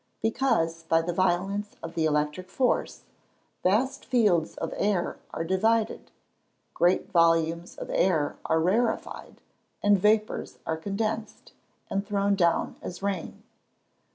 _ Because, by the violence of the electric force, vast fields of air are divided; great volumes of air are rarefied; and vapours are condensed, and thrown down as rain.